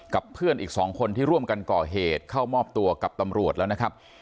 เพื่อนอีก๒คนที่ร่วมกันก่อเหตุเข้ามอบตัวกับตำรวจแล้วนะครับ